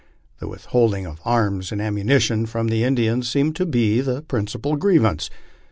The withholding of arms and ammunition from the Indians seemed to be the principal grievance.